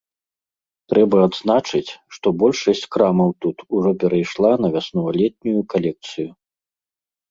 Трэба адзначыць, што большасць крамаў тут ужо перайшла на вяснова-летнюю калекцыю.